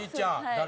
誰？